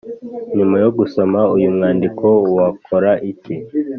nyuma yo gusoma uyu mwandiko wakora iki